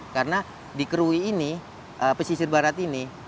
karena di kerui ini pesisir barat ini